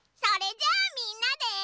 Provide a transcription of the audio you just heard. それじゃあみんなで。